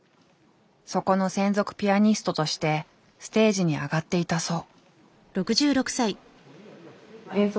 そこの専属ピアニストとしてステージに上がっていたそう。